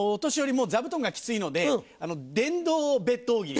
もう座布団がキツいので電動ベッド大喜利。